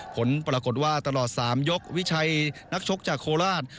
ผลปรากฏว่าตลอด๓ยกวิชัยนักชกจากโคราช